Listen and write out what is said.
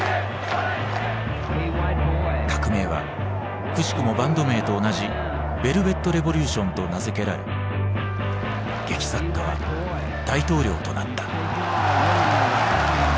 革命はくしくもバンド名と同じ「ヴェルヴェットレボリューション」と名付けられ劇作家は大統領となった。